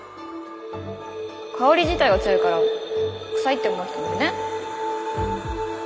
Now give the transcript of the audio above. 香り自体が強いからくさいって思う人もいるね。